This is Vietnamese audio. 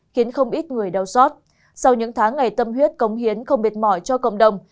khiến không ít người đau xót sau những tháng ngày tâm huyết cống hiến không mệt mỏi cho cộng đồng